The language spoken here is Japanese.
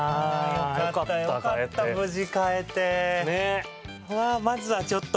よかったよかった無事買えて。